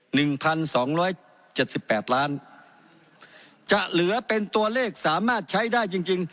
หนึ่งพันสองร้อยเจ็ดสิบแปดล้านจะเหลือเป็นตัวเลขสามารถใช้ได้จริงจริง